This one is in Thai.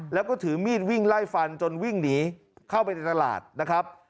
แล้วก็ถือมีดวิ่งไล่ฟันจนวิ่งหนีเข้าไปในตลาดนะครับ